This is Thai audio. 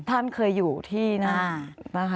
ท่านเคยอยู่ที่นั้นนะคะ